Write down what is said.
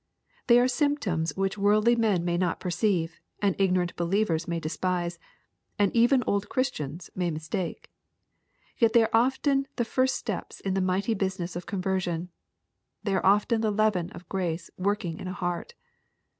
They are symptoms which worldly men may not perceive, and ignorant believers maj despise, and even old Christians may mistake. Yet they are often the first steps in the mighty business of conversion. They are often the " leaven'' of grace work ing in a heart.